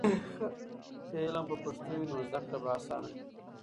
که علم په پښتو وي نو زده کړه به آسانه وي.